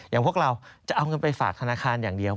อย่างพวกเราจะเอาเงินไปฝากธนาคารอย่างเดียว